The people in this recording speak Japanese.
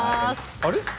あれ？